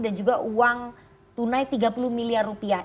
dan juga uang tunai tiga puluh miliar rupiah